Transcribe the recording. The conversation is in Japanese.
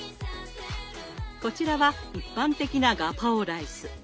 こちらは一般的なガパオライス。